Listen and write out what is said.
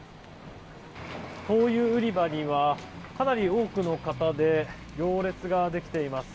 灯油売り場にはかなり多くの方で行列ができています。